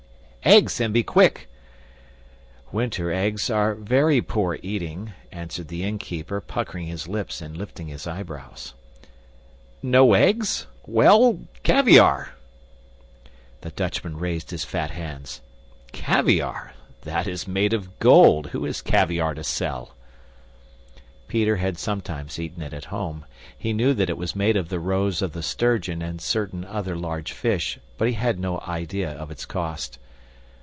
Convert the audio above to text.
"Eggs, and be quick." "Winter eggs are VERY poor eating," answered the innkeeper, puckering his lips and lifting his eyebrows. "No eggs? Well caviar." The Dutchman raised his fat hands: "Caviar! That is made of gold! Who has caviar to sell?" Peter had sometimes eaten it at home; he knew that it was made of the roes of the sturgeon and certain other large fish, but he had no idea of its cost.